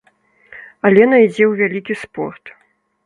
Алена ідзе ў вялікі спорт.